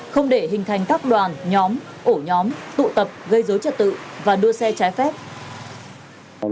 không để hình thành các đoàn nhóm ổ nhóm tụ tập gây dối trật tự và đua xe trái phép